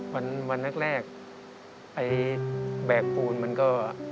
วันแรกไอ้แบกปูนมันก็